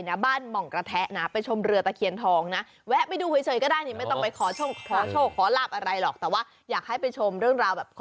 คำนำว่าเมื่อที่พวกเจ้ามากราบเว่าเว่ากระบเว่าได้ในปีาร้าย